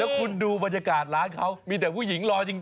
คุณดูบรรยากาศร้านเขามีแต่ผู้หญิงรอจริง